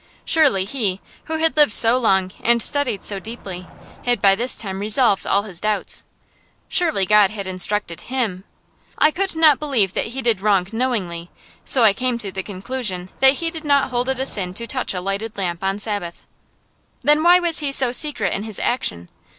Surely he, who had lived so long and studied so deeply, had by this time resolved all his doubts. Surely God had instructed him. I could not believe that he did wrong knowingly, so I came to the conclusion that he did not hold it a sin to touch a lighted lamp on Sabbath. Then why was he so secret in his action?